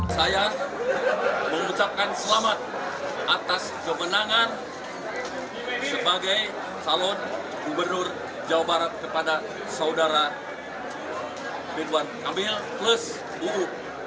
saya mengucapkan selamat atas kemenangan sebagai salon gubernur jawa barat kepada saudara ridwan kamil plus uu